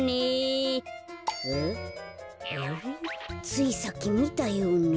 ついさっきみたような。